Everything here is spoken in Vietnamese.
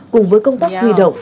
cùng với công tác huy động